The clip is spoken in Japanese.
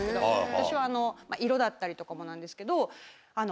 私は色だったりとかもなんですけど。